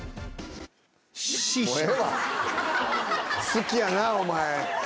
好きやなお前。